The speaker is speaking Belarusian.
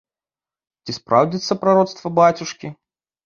Ці спраўдзіцца прароцтва бацюшкі?